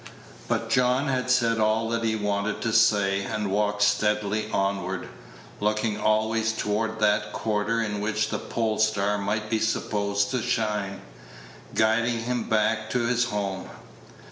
But John had said all that he wanted to say, and walked steadily onward, looking always toward that quarter in which the polestar might be supposed to shine, guiding him back to his home.